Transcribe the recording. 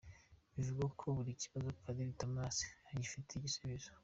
Bivuga ko buri kibazo Padiri Thomas agifitiye igisubizo.